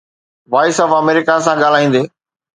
voice of America سان ڳالهائيندي